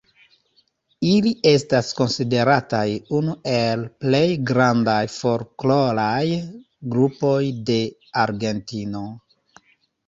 Ili estas konsiderataj unu el plej grandaj folkloraj grupoj de Argentino.